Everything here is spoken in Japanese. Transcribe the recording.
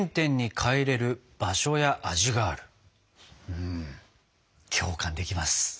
うん共感できます。